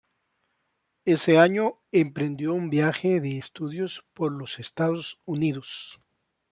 Ese año emprendió un viaje de estudios por los Estados Unidos.